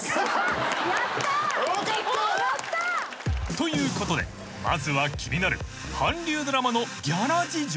［ということでまずは気になる韓流ドラマのギャラ事情］